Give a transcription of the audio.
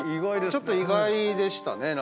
ちょっと意外でしたね何かね。